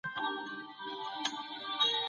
د لویې جرګي غړي کله له ولسمشر سره ګوري؟